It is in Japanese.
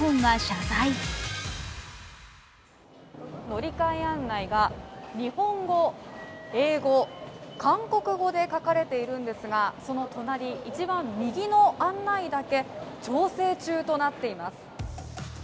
乗り換え案内が日本語、英語韓国語で書かれているんですがその隣、右の案内板だけ調整中となっています。